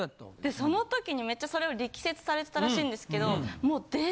その時にめっちゃそれを力説されてたらしいんですけど。